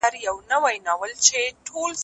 هغې د خپلو کارونو په اړه بې پروایۍ احساس کړه.